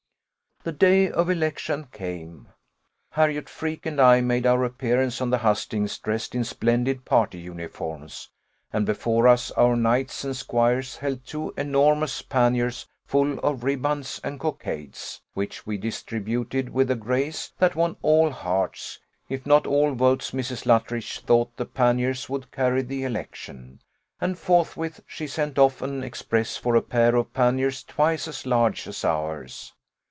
The day of election came; Harriot Freke and I made our appearance on the hustings, dressed in splendid party uniforms; and before us our knights and squires held two enormous panniers full of ribands and cockades, which we distributed with a grace that won all hearts, if not all votes. Mrs. Luttridge thought the panniers would carry the election; and forthwith she sent off an express for a pair of panniers twice as large as ours.